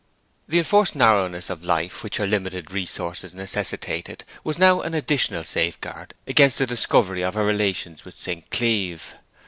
The enforced narrowness of life which her limited resources necessitated was now an additional safeguard against the discovery of her relations with St. Cleeve.